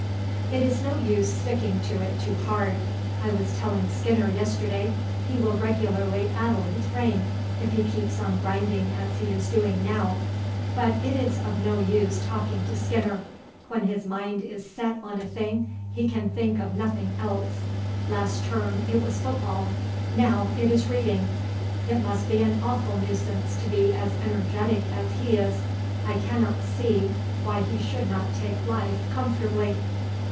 "It is no use sticking to it too hard. I was telling Skinner yesterday he will regularly addle his brain if he keeps on grinding as he is doing now. But it is of no use talking to Skinner; when his mind is set on a thing he can think of nothing else. Last term it was football, now it is reading. It must be an awful nuisance to be as energetic as he is. I cannot see why he should not take life comfortably."